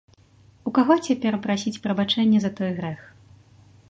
У каго цяпер прасіць прабачэння за той грэх?